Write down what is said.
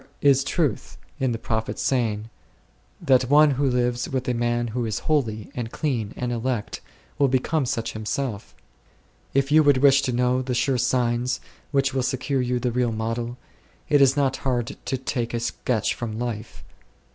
is truth in the Prophet's saying 6, that one who lives with a man who is "holy" and "clean" and " elect," will become such himself. If you would wish to know the sure signs, which will secure you the real model, it is not hard to take a sketch from life.